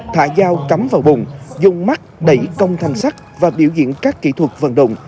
thả dao cắm vào bụng dùng mắt đẩy công thanh sắt và biểu diễn các kỹ thuật vận động